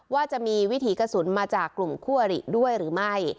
ว่าจะมีวิถีกระสุนมาจากกลุ่มคั่วหรี่ด้วยหรือไม่